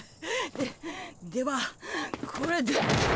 でではこれで。